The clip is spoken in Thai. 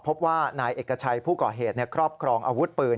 พบว่านายเอกชัยผู้ก่อเหตุครอบครองอาวุธปืน